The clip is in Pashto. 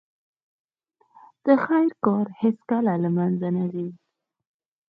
د خیر کار هیڅکله له منځه نه ځي.